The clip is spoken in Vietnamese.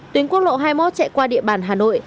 tuyến quốc lộ hai mươi một chạy qua địa bàn hà nội